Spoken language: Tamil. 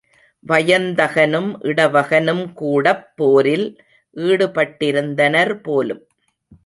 வயந்தகனும் இடவகனும் கூடப் போரில் ஈடுபட்டிருந்தனர் போலும்.